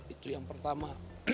itu yang pertama